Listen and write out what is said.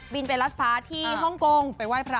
บินไปรัฐฟ้าที่ห่องโกงไว้พระ